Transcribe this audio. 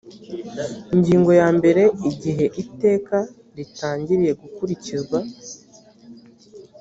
ingingo ya mbere igihe iteka ritangiriye gukurikizwa